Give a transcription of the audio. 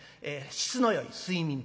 質のよい睡眠と。